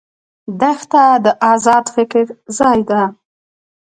دښته د آزاد فکر ځای ده.